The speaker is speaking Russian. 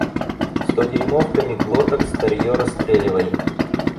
Стодюймовками глоток старье расстреливай!